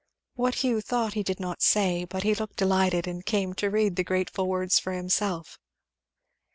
What Hugh thought he did not say, but he looked delighted; and came to read the grateful words for himself.